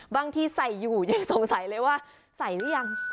บางทีใส่อยู่ที่จะสงสัยเลยว่าใส่รึยัง